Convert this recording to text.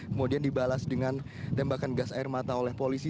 kemudian dibalas dengan tembakan gas air mata oleh polisi